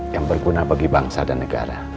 yang berguna bagi bangsa dan negara